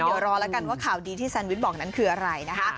เดี๋ยวรอแล้วกันว่าข่าวดีที่แซนวิชบอกนั้นคืออะไรนะคะ